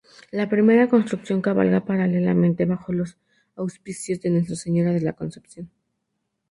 La primera construcción cabalga paralelamente bajo los auspicios de Nuestra Señora de la Concepción.